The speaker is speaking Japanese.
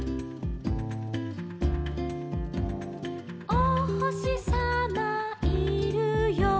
「おほしさまいるよ」